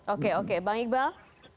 oke oke bang iqbal